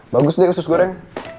bagus deh khusus goreng